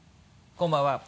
こんばんは。